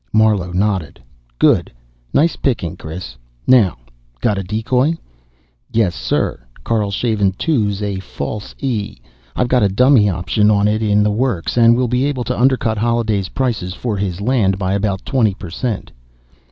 Marlowe nodded. "Good. Nice picking, Chris. Now got a decoy?" "Yes, sir. Karlshaven II's a False E. I've got a dummy option on it in the works, and we'll be able to undercut Holliday's prices for his land by about twenty per cent."